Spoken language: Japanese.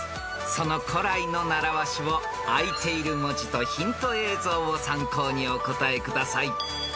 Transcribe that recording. ［その古来の習わしをあいている文字とヒント映像を参考にお答えください］